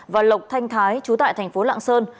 và lộc thanh thái chú tại thành phố lạng sơn